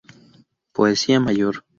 Poesía mayor.